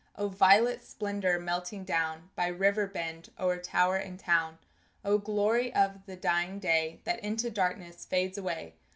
O violet splendor melting down By river bend o'er tower and town! O glory of the dying day That into darkness fades away!